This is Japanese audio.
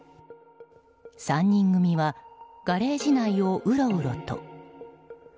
３人組はガレージ内をウロウロと。